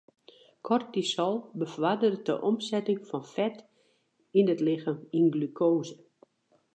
Kortisol befoarderet de omsetting fan fet yn it lichem yn glukoaze.